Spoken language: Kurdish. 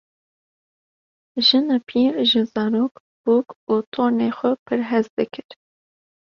Jinepîr ji zarok, bûk û tornên xwe pir hez dikir.